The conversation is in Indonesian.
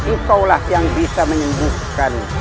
engkau lah yang bisa menyembuhkan